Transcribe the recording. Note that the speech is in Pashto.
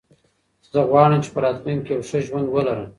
زه غواړم چې په راتلونکي کې یو ښه ژوند ولرم.